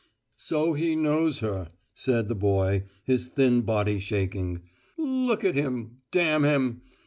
"So he knows her," said the boy, his thin body shaking. "Look at him, damn him!